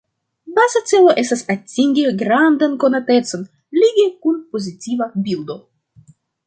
Baza celo estas atingi grandan konatecon lige kun pozitiva bildo.